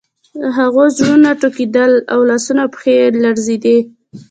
د هغوی زړونه ټکیدل او لاسونه او پښې یې لړزیدې